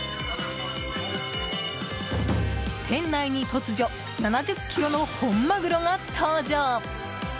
店内に、突如７０ｋｇの本マグロが登場！